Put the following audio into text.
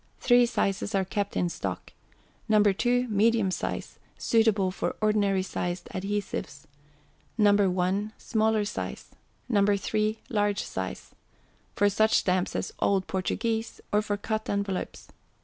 Three sizes are kept in stock: No. 2, medium size, suitable for ordinary sized adhesives; No. 1, smaller size; No. 3, large size for such Stamps as old Portuguese, or for cut Envelopes.